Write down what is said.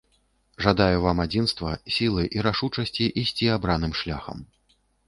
Жадаю вам адзінства, сілы і рашучасці ісці абраным шляхам.